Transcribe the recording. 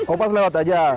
oh pas lewat aja